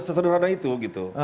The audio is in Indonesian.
sesederhana itu gitu